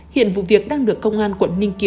hiện vụ việc đang được công an quận ninh kiều phát triển